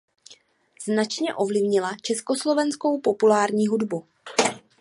Značně ovlivnila československou populární hudbu.